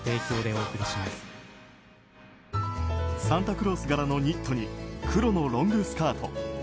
サンタクロース柄のニットに黒のロングスカート。